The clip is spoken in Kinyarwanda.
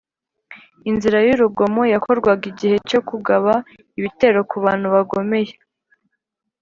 inzira y’urugomo: yakorwaga igihe cyo kugaba ibitero ku bantu bagomeye